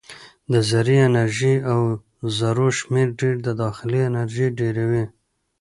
د ذرې انرژي او ذرو شمیر ډېر د داخلي انرژي ډېروي.